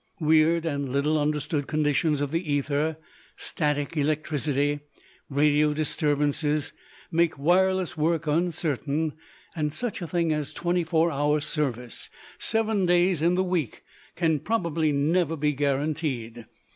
Weird and little understood conditions of the ether, static electricity, radio disturbances, make wireless work uncertain, and such a thing as twenty four hour service, seven days in the week, can probably never be guaranteed.